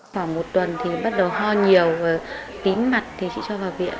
khoảng một tuần thì bắt đầu ho nhiều và tím mặt thì chị cho vào viện